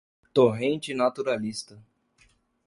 torrente naturalista